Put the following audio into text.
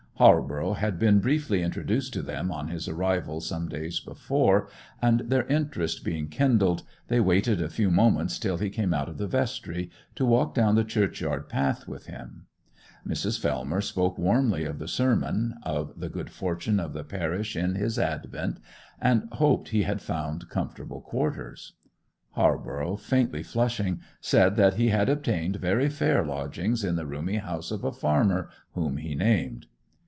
Halborough had been briefly introduced to them on his arrival some days before, and, their interest being kindled, they waited a few moments till he came out of the vestry, to walk down the churchyard path with him. Mrs. Fellmer spoke warmly of the sermon, of the good fortune of the parish in his advent, and hoped he had found comfortable quarters. Halborough, faintly flushing, said that he had obtained very fair lodgings in the roomy house of a farmer, whom he named.